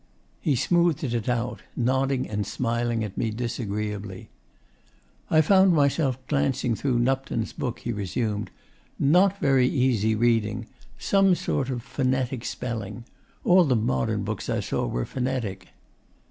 He smoothed it out, nodding and smiling at me disagreeably. 'I found myself glancing through Nupton's book,' he resumed. 'Not very easy reading. Some sort of phonetic spelling.... All the modern books I saw were phonetic.